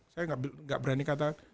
saya enggak berani kata